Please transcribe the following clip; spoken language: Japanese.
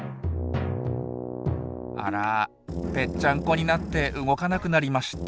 あらぺっちゃんこになって動かなくなりました。